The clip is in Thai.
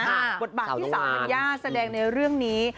บางที่สาวเหมือนย่าแสดงในเรื่องนี้